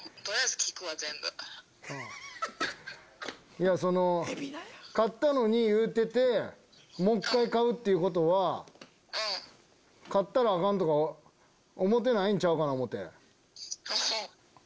いやその買ったのに言うててもう１回買うっていうことは買ったらあかんとか思てないちゃうんかな思て。